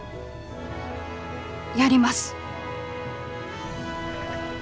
やります！